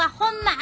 あ！